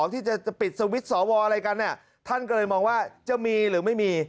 ที่จะปิดสวิตช์สวอะไรกันเนี่ยท่านก็เลยมองว่าจะมีหรือไม่มี